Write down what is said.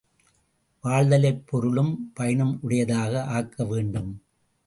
வாழ்தலைப் பொருளும் பயனும் உடையதாக ஆக்க வேண்டும்.